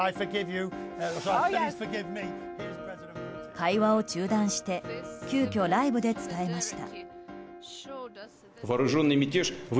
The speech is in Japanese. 会話を中断して急きょライブで伝えました。